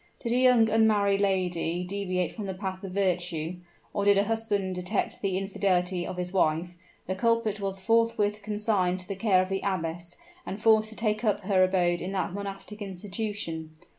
Did a young unmarried lady deviate from the path of virtue, or did a husband detect the infidelity of his wife, the culprit was forthwith consigned to the care of the abbess, and forced to take up her abode in that monastic institution.